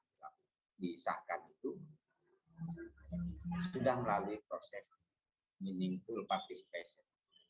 sudah disahkan itu sudah melalui proses meaningful participation